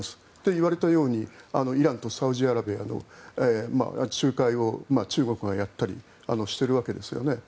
いわれたようにイランとサウジアラビアの仲介を中国がやったりしているわけですよね。